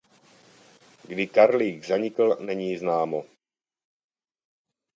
Kdy Karlík zanikl není známo.